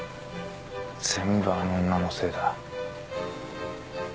全部あの女のせいだ。